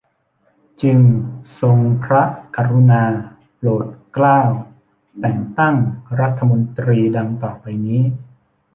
จึงทรงพระกรุณาโปรดเกล้า แต่งตั้งรัฐมนตรี ดังต่อไปนี้